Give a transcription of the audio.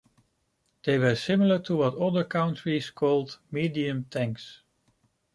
They were similar to what other countries called medium tanks.